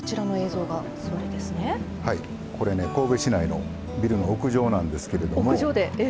これね、神戸市内のビルの屋上なんですけども。